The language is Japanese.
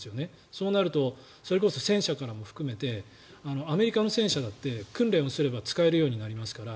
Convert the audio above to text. そうなるとそれこそ戦車からも含めてアメリカの戦車だって訓練をすれば使えるようになりますから。